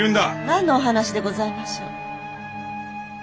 何のお話でございましょう。